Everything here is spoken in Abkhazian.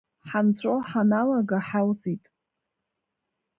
Ҳанҵәо ҳаналага, ҳалҵит…